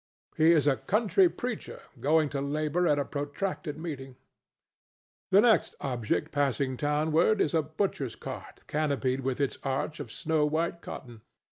He is a country preacher going to labor at a protracted meeting. The next object passing townward is a butcher's cart canopied with its arch of snow white cotton.